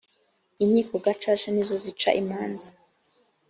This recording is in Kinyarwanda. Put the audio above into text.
inkkiko gacacca nizo zica imanza.